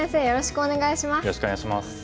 よろしくお願いします。